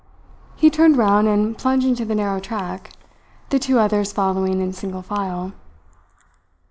He turned round and plunged into the narrow track, the two others following in single file.